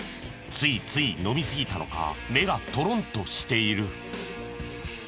ついつい飲みすぎたのか目がとろんとしている。